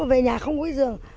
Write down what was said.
lúc mà về nhà không có cái giường